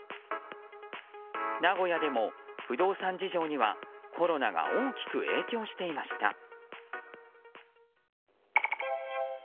名古屋でも不動産事情にはコロナが大きく影響していました。